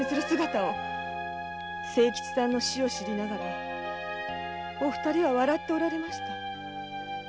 清吉さんの死を知りながらお二人は笑っておられました。